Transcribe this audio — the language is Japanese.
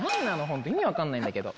本当意味分かんないんだけど。